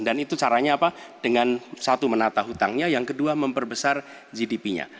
dan itu caranya apa dengan satu menata hutangnya yang kedua memperbesar gdp nya